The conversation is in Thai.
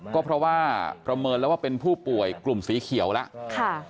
ก็เพราะว่าประเมินแล้วว่าเป็นผู้ป่วยกลุ่มสีเขียวแล้ว